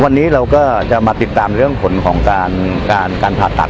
วันนี้เราก็จะมาติดตามเรื่องของผลของการภาตักษณ์รทิสูรศพครับ